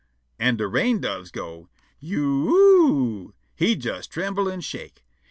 an' de rain doves go, "You you o o o !" he jes tremble' an' shake'.